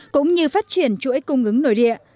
cũng như phát triển chuỗi cung ứng nổi địa